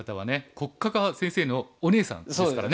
黒嘉嘉先生のお姉さんですからね。